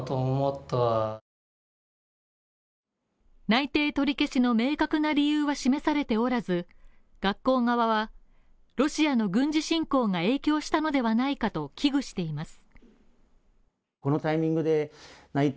内定取り消しの明確な理由は示されておらず、学校側はロシアの軍事侵攻が影響したのではないかと危惧しています。